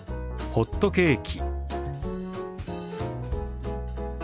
「ホットケーキ」。